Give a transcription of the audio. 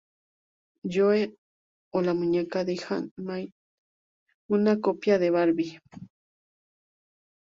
Joe", o la muñeca "Dinah-Mite", una copia de "Barbie".